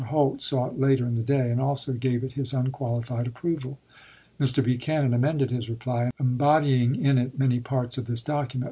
Holt saw it later in the day, and also gave it ibid. his unqualified approval. Mr. Buchanan amended his reply, embodying in it many parts of this docu ment.